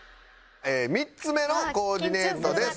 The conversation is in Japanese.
３つ目のコーディネートです。